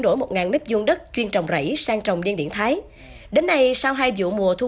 đổi một mếp vuông đất chuyên trồng rẫy sang trồng điên điển thái đến nay sau hai vụ mùa thu